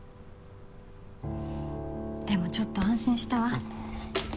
でもちょっと安心したわ。